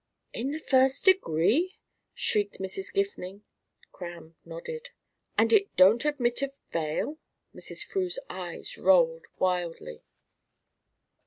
"In the first degree?" shrieked Mrs. Gifning. Cramb nodded. "And it don't admit of bail?" Mrs. Frew's eyes rolled wildly.